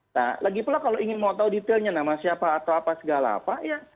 nah lagi pula kalau ingin mau tahu detailnya nama siapa atau apa segala apa ya